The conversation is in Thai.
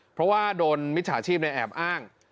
เพราะว่าโดนมิจฉาชีพแอบอ้าง